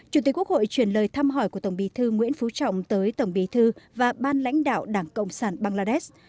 chủ tịch quốc hội chuyển lời thăm hỏi của tổng bí thư nguyễn phú trọng tới tổng bí thư và ban lãnh đạo đảng cộng sản bangladesh